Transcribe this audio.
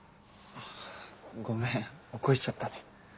あごめん起こしちゃったね。